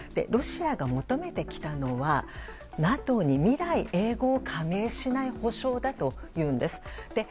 ロシアが求めてきたのはＮＡＴＯに未来永劫加盟しない保証だというんです。